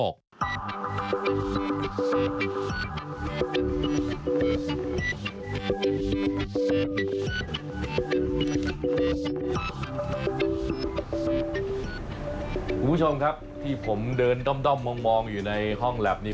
คุณผู้ชมครับที่ผมเดินด้อมมองอยู่ในห้องแล็บนี้